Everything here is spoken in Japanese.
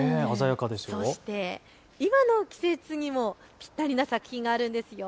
そして今の季節にもぴったりな作品があるんですよ。